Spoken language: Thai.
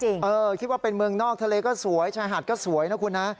เออคิดว่าเป็นเมืองนอกทะเลก็สวยชายหาดก็สวยนะคุณนะ